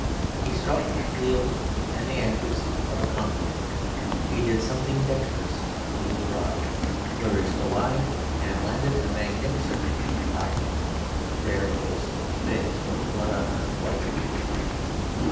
He struck with the zeal and accuracy of a conqueror; he did something dexterous with his rod, flourished the line and landed a magnificent ah! There the whole story fails, for what on earth was the fish?